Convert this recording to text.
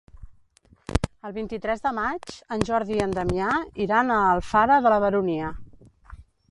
El vint-i-tres de maig en Jordi i en Damià iran a Alfara de la Baronia.